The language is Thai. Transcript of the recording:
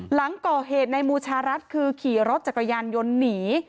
หลังก่อเหตุในบูชารัฐคือขี่รถจักรยานยนต์หนี